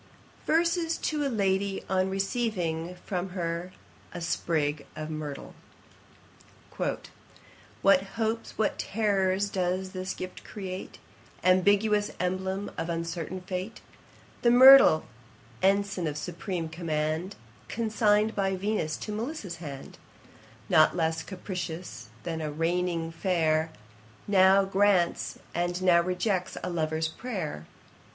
] VERSES to a LADY, on receiving from her a SPRIG of MYRTLE. 'What hopes, what terrours does thy gift create, Ambiguous emblem of uncertain fate: The myrtle, ensign of supreme command, Consign'd by Venus to Melissa's hand; Not less capricious than a reigning fair, Now grants, and now rejects a lover's prayer.